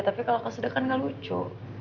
tapi kalau kesedekan nggak lucu